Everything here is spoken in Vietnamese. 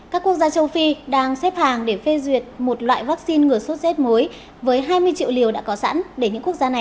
các quốc gia châu phi đang xếp hàng để phê duyệt một loại vaccine ngừa sốt z mối với hai mươi triệu liều đã có sẵn